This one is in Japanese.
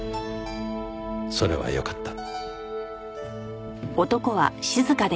それはよかった。